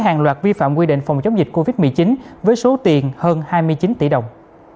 hàng loạt vi phạm quy định phòng chống dịch covid một mươi chín với số tiền hơn hai mươi chín tỷ đồng